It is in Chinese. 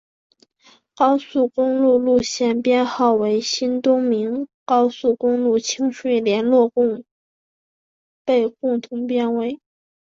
高速公路路线编号与新东名高速公路清水联络路被共同编为。